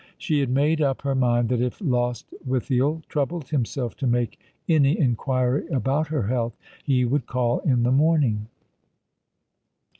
She had made up her mind that if Lostwithiel troubled himself to make any inquiry about her health he would call in the morning.